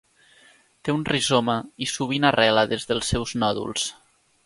Té un rizoma i sovint arrela des dels seus nòduls.